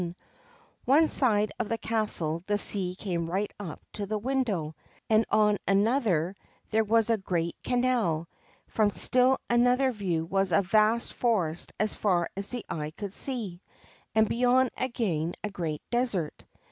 On one side of the castle the sea came right up to the window, and on another there was a great canal; from still another view was a vast forest as far as the eye could see, and beyond again a great desert.